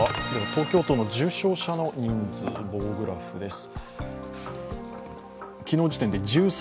東京都の重症者の人数、棒グラフです。